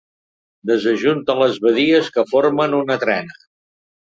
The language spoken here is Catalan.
Desajunta les badies que formen una trena.